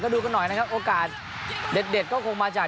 ดูกันหน่อยนะครับโอกาสเด็ดก็คงมาจาก